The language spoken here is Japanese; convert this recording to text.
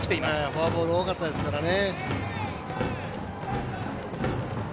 フォアボール多かったですからね。